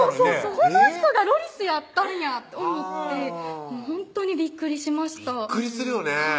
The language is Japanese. この人がロリスやったんやって思ってほんとにびっくりしましたびっくりするよねぇ